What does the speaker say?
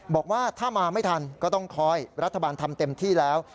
บอกว่าถ้ามาไม่ทันก็ต้องคอยรัฐบาลทำเต็มที่แล้ว